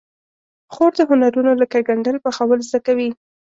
خور د هنرونو لکه ګنډل، پخول زده کوي.